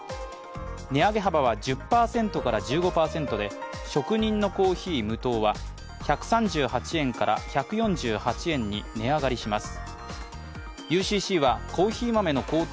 値上げ幅は１０％から１５％で職人の珈琲無糖は１３８円から１４８円に値上がりします。